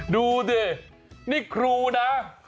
ดูดินี่ครูนะ